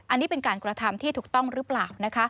อันนี้เป็นการกระทำที่ถูกต้องหรือเปล่า